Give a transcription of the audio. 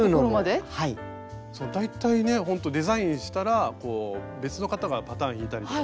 そう大体ねほんとデザインしたら別の方がパターン引いたりとかして。